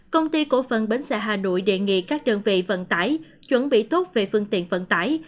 công ty cổ phần bến xe hà nội đề nghị các đơn vị vận tải chuẩn bị tốt về phương tiện vận tải